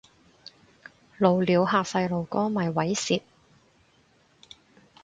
露鳥嚇細路哥咪猥褻